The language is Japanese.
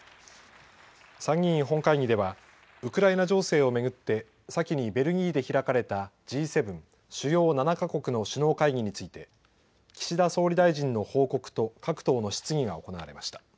参議院本会議ではウクライナ情勢を巡って先にベルギーで開かれたＧ７・主要７か国の首脳会議について岸田総理大臣の報告と各党の質疑が行われました。